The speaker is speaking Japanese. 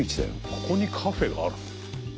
ここにカフェがあるの？